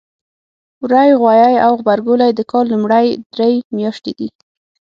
وری ، غوایی او غبرګولی د کال لومړۍ درې میاتشې دي.